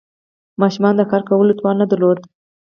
ماشومانو د کار کولو توان نه درلود.